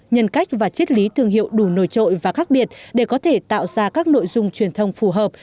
nhân cách và chất lý thương hiệu đủ nổi trội và khác biệt để có thể tạo ra các nội dung truyền thông phù hợp